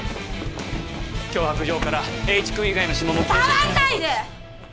脅迫状から栄一君以外の指紋も触んないで！